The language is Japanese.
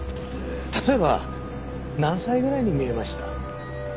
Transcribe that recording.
例えば何歳ぐらいに見えました？